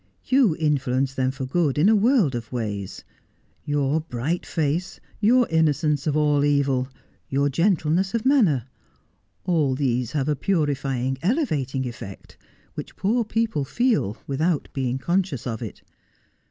You influence them for good in a world of ways. Your bright face, your innocence of all evil, your gentleness of manner, all these have a purifying, elevating effect, which poor people feel without being conscious of it.